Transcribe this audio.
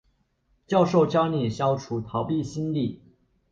教授教你消除逃避心理